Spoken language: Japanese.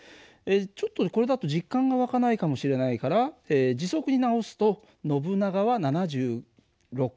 ちょっとこれだと実感が湧かないかもしれないから時速に直すとノブナガは７６ｋｍ／ｈ。